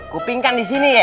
kuping kan di sini ya